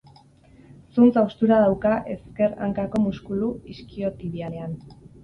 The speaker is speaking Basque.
Zuntz haustura dauka ezker hankako muskulu iskiotibialean.